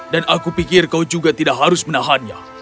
dan aku pikir kau juga tidak harus menahannya